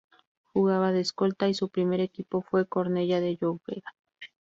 Jugaba de Escolta y su primer equipo fue Cornellá de Llobregat.